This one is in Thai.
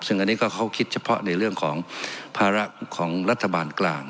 ซึ่งอันนี้ก็เขาคิดเฉพาะในเรื่องของภาระของรัฐบาลกลาง